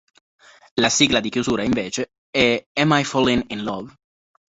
La sigla di chiusura, invece, è "Am I Fallin' In Love?